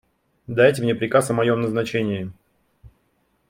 Дайте мне приказ о моем назначении.